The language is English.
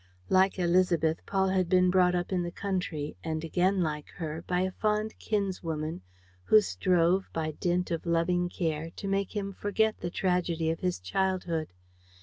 Like Élisabeth, Paul had been brought up in the country and, again like her, by a fond kinswoman who strove, by dint of loving care, to make him forget the tragedy of his childhood.